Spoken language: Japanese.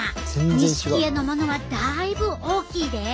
錦絵のものはだいぶ大きいで。